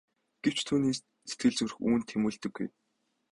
Гэвч түүний сэтгэл зүрх үүнд тэмүүлдэггүй.